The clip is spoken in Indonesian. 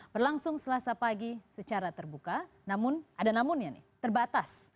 berlangsung selasa pagi secara terbuka namun ada namunnya nih terbatas